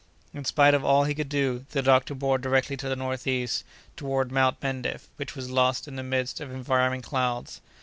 In spite of all he could do, the doctor bore directly to the northeast, toward Mount Mendif, which was lost in the midst of environing clouds.